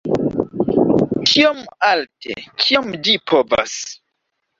Tiom alte, kiom ĝi povas.